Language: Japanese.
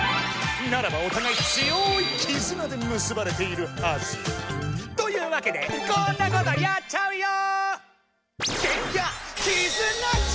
ならばおたがいつよい「絆」でむすばれているはず！というわけでこんなことやっちゃうよ！